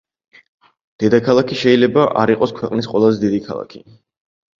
დედაქალაქი შეიძლება არ იყოს ქვეყნის ყველაზე დიდი ქალაქი.